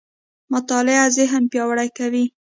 مطالعه ذهن پياوړی کوي.